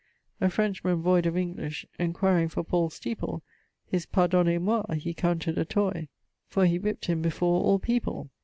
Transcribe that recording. A French man voyd of English Enquiring for Paul's steeple His Pardonnez moy He counted a toy, For he whip't him before all people.